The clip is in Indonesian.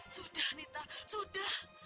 sudah nita sudah